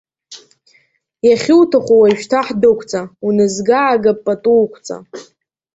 Иахьуҭаху, уажәшьҭа ҳдәықәҵа, унызга-аагап пату уқәҵа!